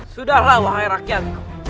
sudahlah wahai rakyat